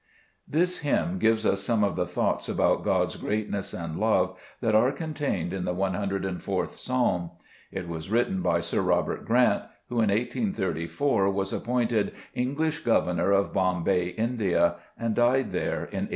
This hymn gives us some of the thoughts about God's greatness and love that are contained in the 104th Psalm. It was written by Sir Robert Grant, who in 1834 was appointed English Governor of Bombay (India), and died there in 1838.